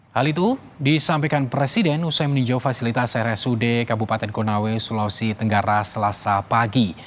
hal itu disampaikan presiden usai meninjau fasilitas rsud kabupaten konawe sulawesi tenggara selasa pagi